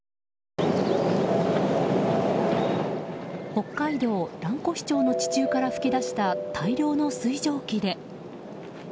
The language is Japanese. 北海道蘭越町の地中から噴き出した大量の水蒸気で。